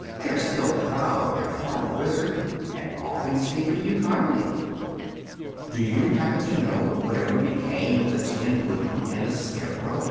"They are still proud of their former Wizard, and often speak of you kindly." "Do you happen to know whatever became of the Tin Woodman and the Scarecrow?"